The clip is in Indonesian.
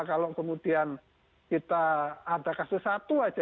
kalau kemudian kita ada kasus satu aja